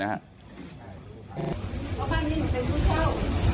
ว่าบ้านนี้เราเป็นผู้เช่า